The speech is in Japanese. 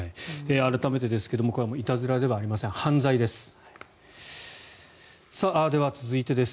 改めてですけどこれはいたずらではありません犯罪です。